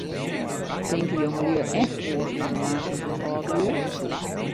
Tinke jongelju echt oars oer relaasjes as âldelju?